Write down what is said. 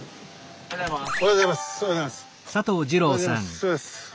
おはようございます。